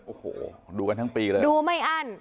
โอ้โหดูกันทั้งปีเลยดูไม่อั้น